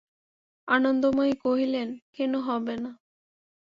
আনন্দময়ী কহিলেন, কেন হবে না?